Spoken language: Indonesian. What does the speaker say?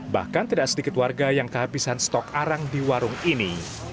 bahkan tidak sedikit warga yang kehabisan stok arang di warung ini